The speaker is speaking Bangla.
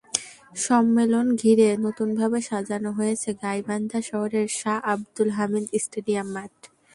সম্মেলন ঘিরে নতুনভাবে সাজানো হয়েছে গাইবান্ধা শহরের শাহ আবদুল হামিদ স্টেডিয়াম মাঠ।